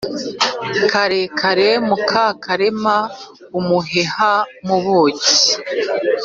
Karekare Mukakarema-Umuheha mu buki.